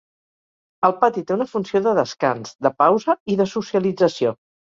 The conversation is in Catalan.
El pati té una funció de descans, de pausa i de socialització.